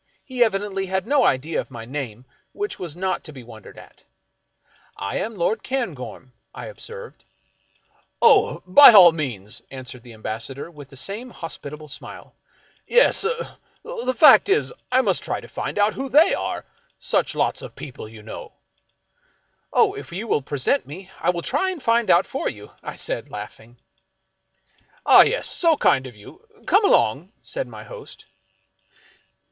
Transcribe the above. He evidently had no idea of my name, which was not to be wondered at. " I am Lord Cairngorm," I observed. " Oh — by all means," answered the Ambassador with the same hospitable smile. " Yes — uh — the fact is, I must try and find out who they are ; such lots of people, you know." " Oh, if you will present me, I will try and find out for you," said I, laughing. " Ah, yes — so kind of you — come along," said my host.